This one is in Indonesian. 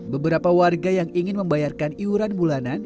beberapa warga yang ingin membayarkan iuran bulanan